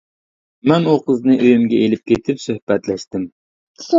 مەن ئۇ قىزنى ئۆيۈمگە ئېلىپ كېتىپ سۆھبەتلەشتىم.